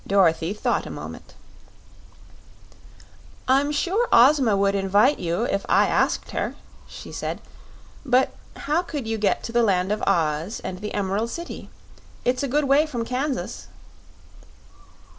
Dorothy thought a moment. "I'm sure Ozma would invite you if I asked her," she said; "but how could you get to the Land of Oz and the Emerald City? It's a good way from Kansas."